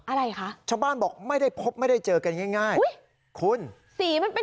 อะไรคะชาวบ้านบอกไม่ได้พบไม่ได้เจอกันง่ายอุ้ยคุณสีมันเป็น